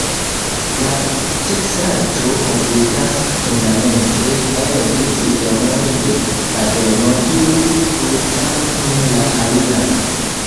La teksaĵo konsistas fundamente el du sistemoj de fadenoj kiuj krucas unu la alian.